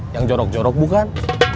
yang jorok jorok bukan